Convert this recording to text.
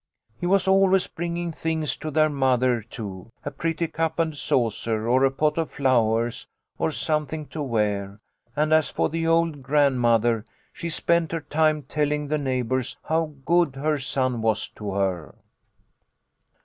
He was always bringing things to their mother, too, a pretty cup and saucer or a pot of flowers, or something to wear ; and as for the old grandmother, she spent her time telling the neigh bours how good her son was to her.